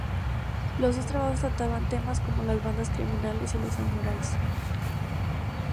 Los dos trabajos trataban temas como las bandas criminales y los samuráis.